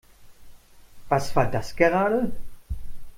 Was war das gerade?